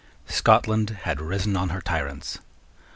Scotland had risen on her tyrants.